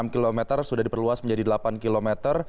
enam km sudah diperluas menjadi delapan kilometer